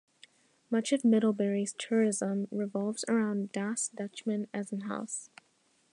Much of Middlebury's tourism revolves around Das Dutchman Essenhaus.